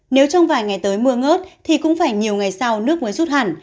nếu trong vài ngày tới mưa ngớt thì cũng phải nhiều ngày sau nước mới rút hẳn